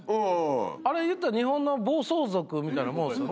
あれいったら日本の暴走族みたいなもんですよね。